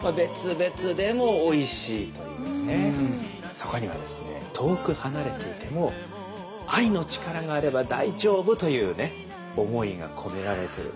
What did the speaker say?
そこにはですね遠く離れていても愛の力があれば大丈夫というね思いが込められてる。